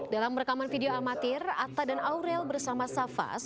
dalam rekaman video amatir atta dan aurel bersama safas